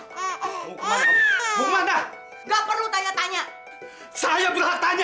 tapi kamu sudah berkali kali bohongin saya